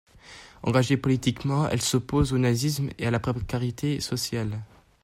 Engagée politiquement, elle s'oppose au nazisme et à la précarité sociale.